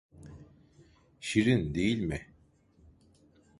Şirin değil mi?